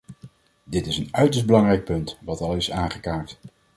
Dit is een uiterst belangrijk punt, wat al is aangekaart.